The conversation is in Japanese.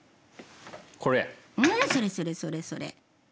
うんそれそれそれそれ。